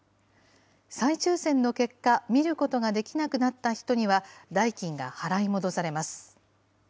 再抽せんの結果、見ることができなくなった人には、代金が払い戻されます。